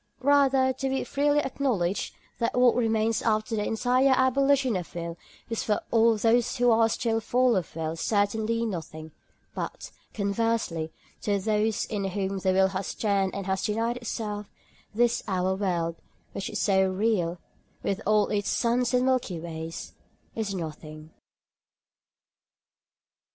Rather do we freely acknowledge that what remains after the entire abolition of will is for all those who are still full of will certainly nothing; but, conversely, to those in whom the will has turned and has denied itself, this our world, which is so real, with all its suns and milky ways—is nothing.